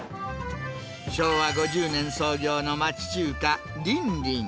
昭和５０年創業の町中華、りんりん。